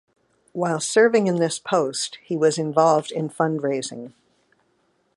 While serving in this post, he was involved in fundraising.